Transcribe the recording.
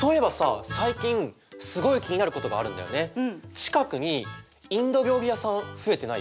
近くにインド料理屋さん増えてない？